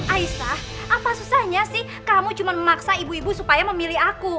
aisah apa susahnya sih kamu cuma memaksa ibu ibu supaya memilih aku